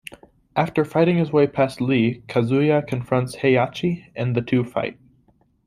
After fighting his way past Lee, Kazuya confronts Heihachi and the two fight.